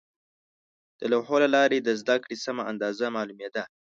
د لوحو له لارې د زده کړې سمه اندازه معلومېده.